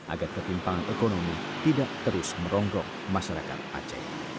agar ketimpangan ekonomi tidak terus meronggok masyarakat aceh